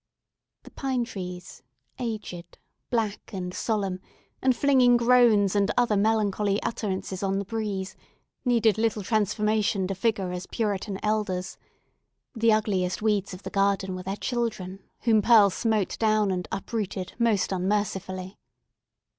The pine trees, aged, black, and solemn, and flinging groans and other melancholy utterances on the breeze, needed little transformation to figure as Puritan elders; the ugliest weeds of the garden were their children, whom Pearl smote down and uprooted most unmercifully.